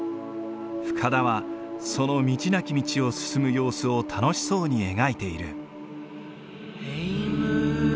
深田はその道なき道を進む様子を楽しそうに描いている。